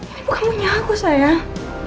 ini bukan punya aku sayang